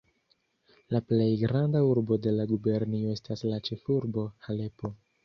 La plej granda urbo de la gubernio estas la ĉefurbo Halepo.